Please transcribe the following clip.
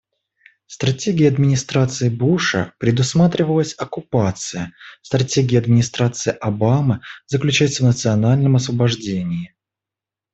Стратегией администрации Буша предусматривалась оккупация; стратегия администрации Обамы заключается в национальном освобождении.